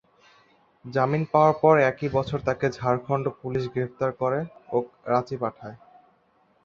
জামিন পাওয়ার পর একই বছর তাকে ঝাড়খণ্ড পুলিশ গ্রেপ্তার করে ও রাঁচি পাঠায়।